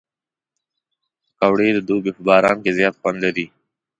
پکورې د دوبي په باران کې زیات خوند لري